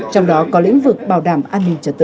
trong đó có lĩnh vực bảo đảm an ninh trật tự